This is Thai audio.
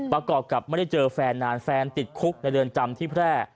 ประกอบกับไม่ได้เจอแฟนนานแฟนติดคุกในเรือนจำที่แพร่